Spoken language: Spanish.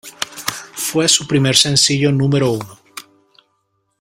Fue su primer sencillo número uno.